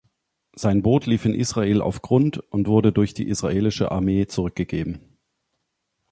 Sein Boot lief in Israel auf Grund und wurde durch die israelische Armee zurückgegeben.